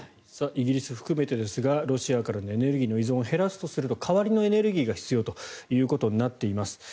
イギリス含めてですがロシアからのエネルギーの依存を減らすとすると代わりのエネルギーが必要となっています。